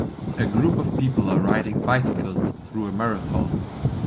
A group of people are riding bicycles through a marathon.